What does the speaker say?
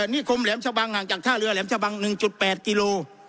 นิคมแหลมชะบังห่างจากท่าเรือแหลมชะบัง๑๘กิโล